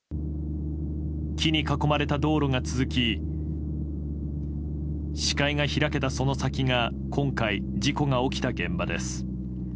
木に囲まれた道路が続き視界が開けた、その先が今回、事故が起きた現場です。